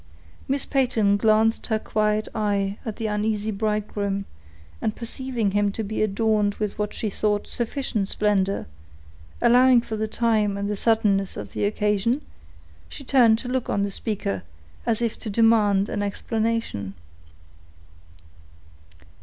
Miss Peyton glanced her quiet eye at the uneasy bridegroom, and perceiving him to be adorned with what she thought sufficient splendor, allowing for the time and the suddenness of the occasion, she turned her look on the speaker, as if to demand an explanation.